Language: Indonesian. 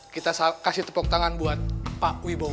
kita kasih tepuk tangan buat pak wi bowo